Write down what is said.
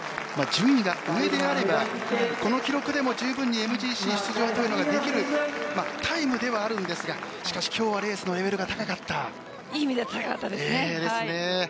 順位が上であればこの記録でも十分にＭＧＣ出場というのができるタイムではあるんですがしかしきょうはレースのレベルがいい意味で高かったですね。